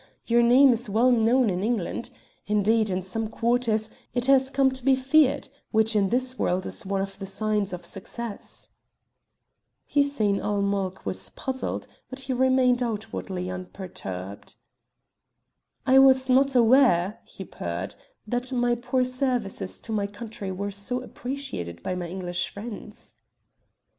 Your name is well known in England. Indeed, in some quarters, it has come to be feared, which in this world is one of the signs of success." Hussein ul Mulk was puzzled, but he remained outwardly unperturbed. "I was not aware," he purred, "that my poor services to my country were so appreciated by my English friends."